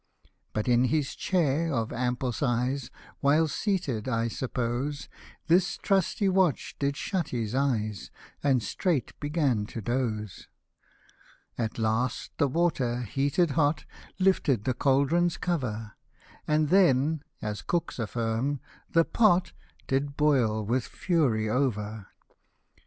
But in his chair of ample size While seated, I suppose, This trusty watch did shut his eyes, And straight began to doze. At last the water, heated hot, Lifted the caul dron's cover ; And then (as cooks affirm) the pot Did boil with fury over.